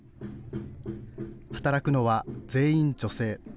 働くのは全員女性。